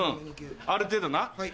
ある程度な。